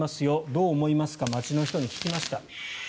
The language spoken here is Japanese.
どう思いますか街の人に聞きました。